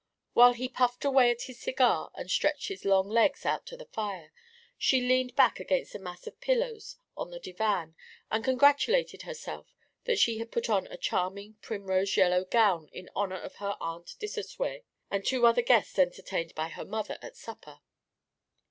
While he puffed away at his cigar and stretched his long legs out to the fire, she leaned back against a mass of pillows on the divan and congratulated herself that she had put on a charming primrose yellow gown in honour of her Aunt Dissosway and two other guests entertained by her mother at supper.